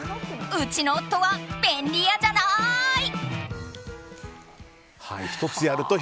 うちの夫は便利屋じゃない！